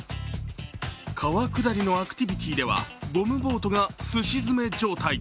川下りのアクティビティーではゴムボートがすし詰め状態。